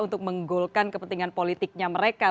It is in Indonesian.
untuk menggolkan kepentingan politiknya mereka